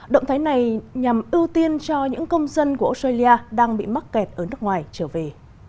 động thái này nhằm ưu tiên cho những công dân của australia đang bị mắc kẹt ở nước ngoài trở về